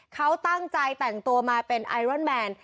เขาตั้งใจแต่งตัวมาเป็นไอรอนแมน